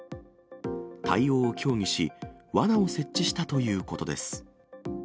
対応を協議し、わなを設置したということです。